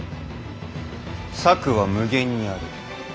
「策は無限にある」